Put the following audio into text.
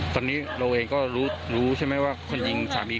ตอนนั้นพี่